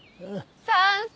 賛成！